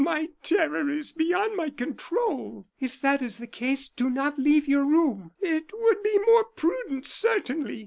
"Ah! my terror is beyond my control." "If that is the case, do not leave your room." "It would be more prudent, certainly."